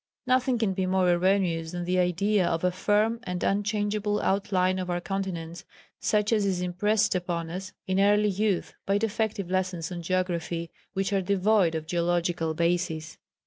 Nothing can be more erroneous than the idea of a firm and unchangeable outline of our continents, such as is impressed upon us in early youth by defective lessons on geography, which are devoid of a geological basis."